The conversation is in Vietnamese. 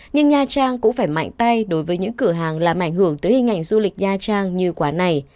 nhưng nha trang cũng phải mạnh tay đối với những cửa hàng làm ảnh hưởng tới hình ảnh du lịch nha trang như quán này